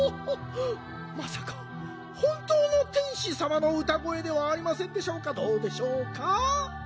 まさかほんとうの天使さまのうたごえではありませんでしょうかどうでしょうか？